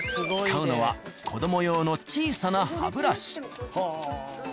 使うのは子ども用の小さな歯ブラシ。